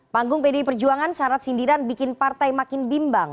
panggung pdi perjuangan syarat sindiran bikin partai makin bimbang